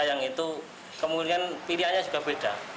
yang itu kemungkinan pilihannya juga beda